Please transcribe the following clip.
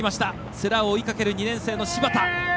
世羅を追いかける、２年生の柴田。